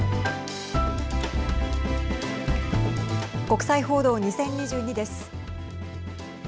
国際報道２０２２です。